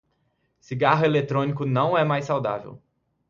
Cigarro eletrônico é mais saudável